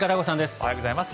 おはようございます。